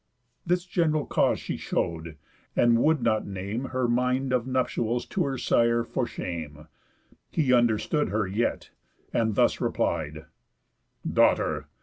This gen'ral cause she show'd, and would not name Her mind of nuptials to her sire, for shame. He understood her yet, and thus replied: "Daughter!